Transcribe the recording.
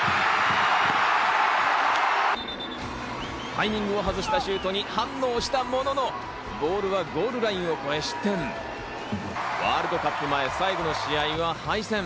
タイミングを外したシュートに反応したものの、ボールはゴールラインを越して、ワールドカップ前、最後の試合は敗戦。